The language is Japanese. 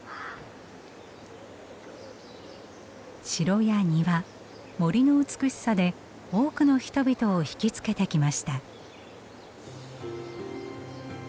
城や庭森の美しさで多くの人々を引き付けてきました。